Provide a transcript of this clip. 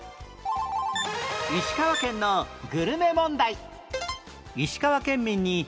石川県のグルメ問題